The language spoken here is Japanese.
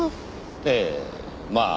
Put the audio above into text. ええまあ。